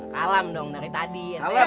kalam dong dari tadi